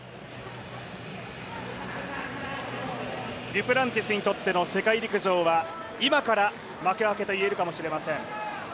デュプランティスにとっての世界陸上は今から幕開けといえるかもしれません。